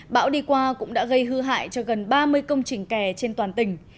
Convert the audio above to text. bão đi qua cũng đã gây hư hại cho gần ba mươi công trình kè trên toàn tỉnh